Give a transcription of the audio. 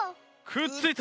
くっついた！